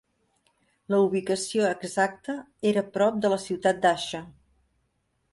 La ubicació exacta era prop de la ciutat d'Asha.